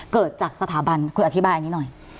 เกิดจากสถาบันคุณอธิบายอันนี้หน่อย